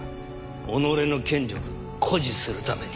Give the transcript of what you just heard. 己の権力誇示するために。